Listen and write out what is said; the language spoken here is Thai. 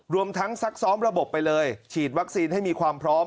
รวมทั้งซักซ้อมระบบไปเลยฉีดวัคซีนให้มีความพร้อม